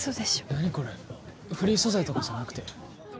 何これフリー素材とかじゃなくて？